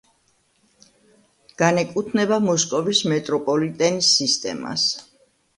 განეკუთვნება მოსკოვის მეტროპოლიტენის სისტემას.